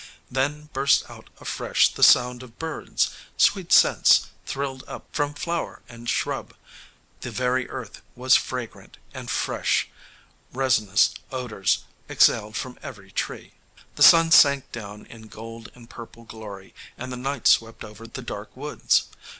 Then burst out afresh the songs of birds, sweet scents thrilled up from flower and shrub, the very earth was fragrant, and fresh, resinous odors exhaled from every tree. The sun sank down in gold and purple glory and night swept over the dark woods.